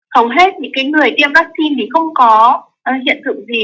hầu hết thì cái người tiêm vaccine thì không có hiện thực gì